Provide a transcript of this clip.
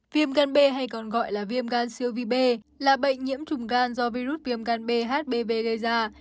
viêm ngăn bê hay còn gọi là viêm gan siêu vi bê là bệnh nhiễm trùng gan do virus viêm ngăn bê hbv gây ra